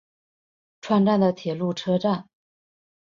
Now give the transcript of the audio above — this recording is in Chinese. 串站的铁路车站。